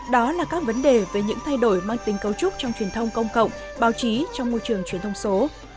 đó là các vấn đề về những thay đổi mang tính cấu trúc trong truyền thông công cộng báo chí trong môi trường truyền thông số